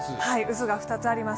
渦が２つあります。